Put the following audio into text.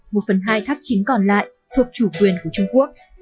một phần hai tháp chính còn lại thuộc chủ quyền của trung quốc